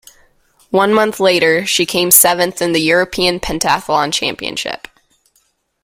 One month later she came seventh in the European pentathlon championship.